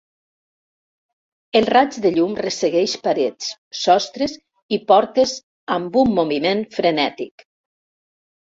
El raig de llum ressegueix parets, sostres i portes amb un moviment frenètic.